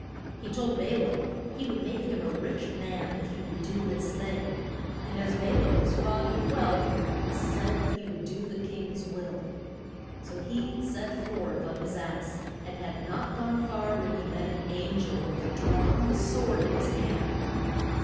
He told Ba laam he would make him a rich man if he would do this thing, and as Ba laam was fond of wealth he said he would do the king's will. So he set forth on his ass, and had not gone far when he met an an gel with a drawn sword in his hand.